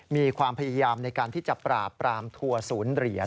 มีความพยายามในการที่จะปราบปรามทัวร์ศูนย์เหรียญ